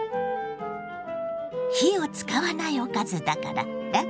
火を使わないおかずだからラクラクよ。